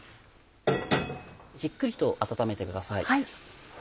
じっくりと温めてください。